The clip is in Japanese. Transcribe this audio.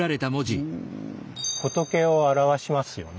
仏を表しますよね。